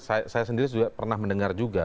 saya sendiri juga pernah mendengar juga